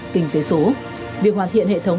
kinh tế số việc hoàn thiện hệ thống